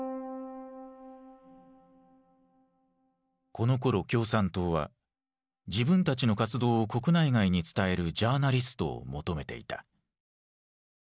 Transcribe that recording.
このころ共産党は自分たちの活動を国内外に伝えるジャーナリストを求めていた。